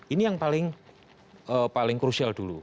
ini yang paling krusial dulu